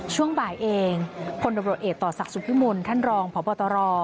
ช่วงบ่ายเองพลตำรวจเอกต่อศักดิ์สุพิมลท่านรองพบตร